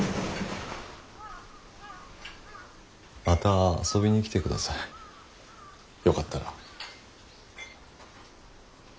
また遊びに来て下さいよかったら。